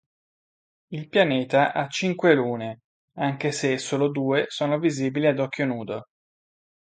Il pianeta ha cinque lune, anche se solo due sono visibili ad occhio nudo.